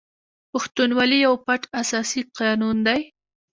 پښتونولي یو پټ اساسي قانون دی.